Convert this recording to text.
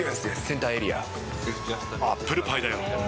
アップルパイだよ。